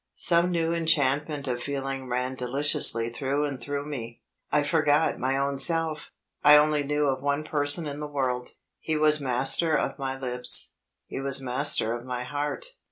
Some new enchantment of feeling ran deliciously through and through me. I forgot my own self; I only knew of one person in the world. He was master of my lips; he was master of my heart.